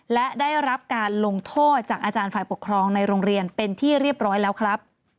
และได้รับการลงโทษจากอาจารย์ฝ่ายปกครองในโรงเรียนเป็นที่เรียบร้อยแล้วครับ